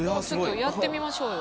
やってみましょうよ。